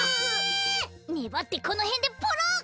ねばってこのへんでポロッ！